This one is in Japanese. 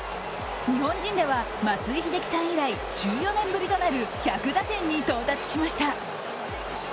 日本人では松井秀喜さん以来１４年ぶりとなる１００打点に到達しました。